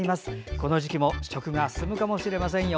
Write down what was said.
この時期も食が進むかもしれませんよ。